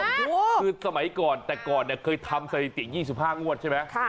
คือสมัยก่อนแต่ก่อนเนี่ยเคยทำสถิติ๒๕งวดใช่ไหม